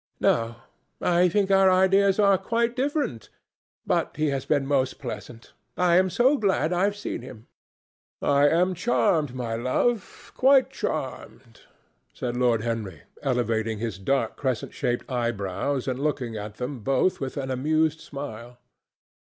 No; I think our ideas are quite different. But he has been most pleasant. I am so glad I've seen him." "I am charmed, my love, quite charmed," said Lord Henry, elevating his dark, crescent shaped eyebrows and looking at them both with an amused smile.